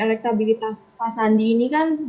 elektabilitas pak sandi ini kan